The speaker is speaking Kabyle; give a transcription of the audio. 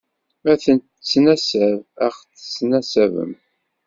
Ad tennettnasab, ad ɣ-ttnasaben.